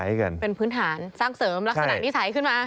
กันเป็นพื้นฐานสร้างเสริมลักษณะนิสัยขึ้นมา